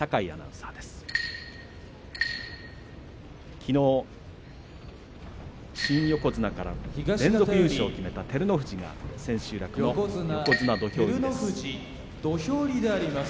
きのう新横綱から連続優勝を決めた照ノ富士が千秋楽の横綱土俵入りです。